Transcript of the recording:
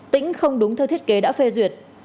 tính không đúng theo thiết kế đã phê duyệt